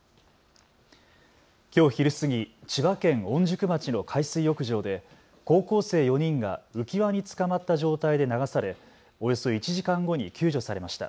きょう昼過ぎ、千葉県御宿町の海水浴場で高校生４人が浮き輪につかまった状態で流されおよそ１時間後に救助されました。